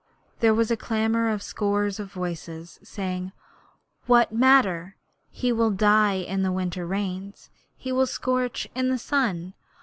There was a clamour of scores of voices, saying: 'What matter? He will die in the winter rains. He will scorch in the sun.